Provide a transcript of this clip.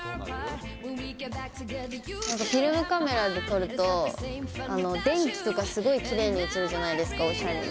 なんかフィルムカメラで撮ると、電気とかすごいきれいに写るじゃないですか、おしゃれに。